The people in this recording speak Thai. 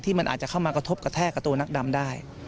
มันอาจจะเข้ามากระทบกระแทกกับตัวนักดำได้